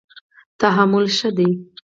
تحمل ښه دی.